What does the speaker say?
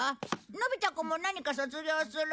のび太くんも何か卒業する？